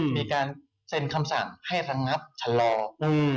มีการเซ็นคำสั่งให้สังระทะลอง